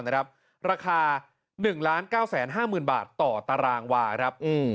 ราคา๑๙๕๐๐๐๐บาทต่อตารางวา